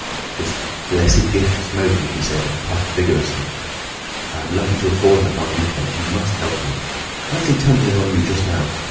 "This blessed gift of smoking!" he said, and puffed vigorously. "I'm lucky to have fallen upon you, Kemp. You must help me. Fancy tumbling on you just now!